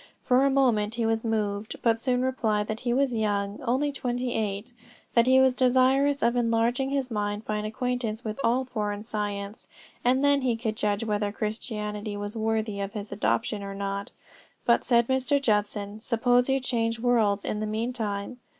For a moment he was moved, but soon replied, that he was young, only twenty eight. That he was desirous of enlarging his mind by an acquaintance with all foreign science, and then he could judge whether Christianity was worthy of his adoption or not. But, said Mr. Judson, suppose you change worlds in the meantime?